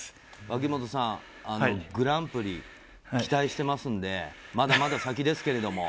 脇本さん、グランプリ、期待してますんで、まだまだ先ですけれども。